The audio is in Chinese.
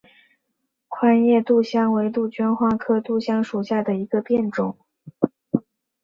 宽叶杜香为杜鹃花科杜香属下的一个变种。